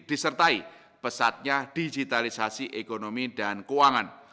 disertai pesatnya digitalisasi ekonomi dan keuangan